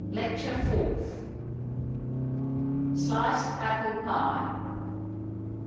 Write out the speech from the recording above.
LECTURE FOURTH. SLICED APPLE PIE.